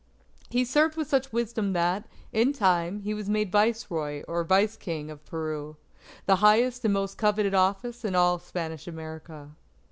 He served with such wisdom that, in time, he was made Viceroy, or Vice King, of Peru, the highest and most coveted office in all Spanish America.